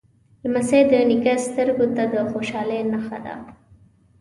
لمسی د نیکه سترګو ته د خوشحالۍ نښه ده.